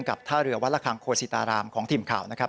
ท่าเรือวัดระคังโคสิตารามของทีมข่าวนะครับ